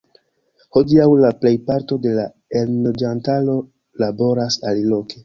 Hodiaŭ la plejparto de la enloĝantaro laboras aliloke.